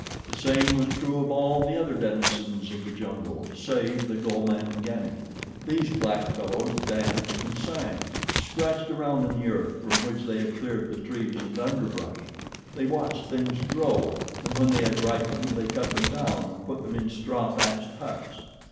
The same was true of all the other denizens of the jungle, save the Gomangani. These black fellows danced and sang, scratched around in the earth from which they had cleared the trees and underbrush; they watched things grow, and when they had ripened, they cut them down and put them in straw thatched huts.